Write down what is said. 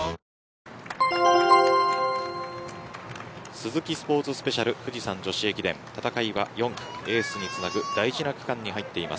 スズキスポーツスペシャル富士山女子駅伝戦いは４区エースにつなぐ、大事な区間に入っています。